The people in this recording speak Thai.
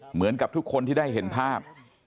เหมือนกับทุกคนที่ได้เห็นภาพ